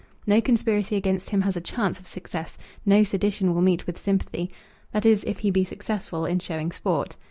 No conspiracy against him has a chance of success; no sedition will meet with sympathy; that is, if he be successful in showing sport.